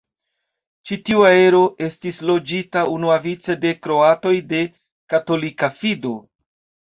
Ĉi-tiu areo estis loĝita unuavice de kroatoj de katolika fido.